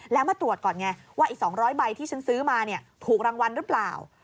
แล้วมาตรวจก่อนไงว่าอีก๒๐๐ใบที่ฉันซื้อมาถูกรางวัลหรือเปล่า